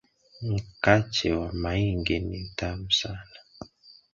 Nkache wa maingi ni tamu sana.